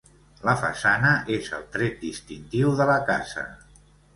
La façana és el tret distintiu de la casa.